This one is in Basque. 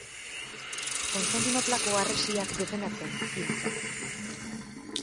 Konstantinoplako harresiak defendatzen hil zen.